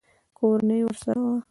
کورنۍ ورسره وه.